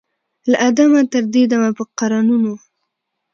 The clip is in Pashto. له آدمه تر دې دمه په قرنونو